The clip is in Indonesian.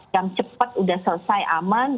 yang cepat sudah selesai aman